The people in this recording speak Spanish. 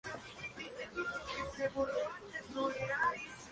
La acción transcurre en un patio de vecindad, en los barrios bajos.